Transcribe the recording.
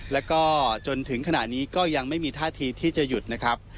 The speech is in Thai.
แล้วก็จนถึงขณะนี้ก็ยังไม่มีท่าทีที่จะหยุดนะครับ